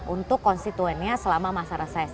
untuk konstituennya selama masa reses